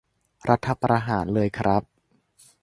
รัฐประหารเลยครับ